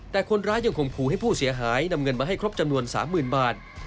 แต่คนร้ายยังข่มขู่ให้ผู้เสียหายนำเงินมาให้ครบจำนวน๓๐๐๐บาท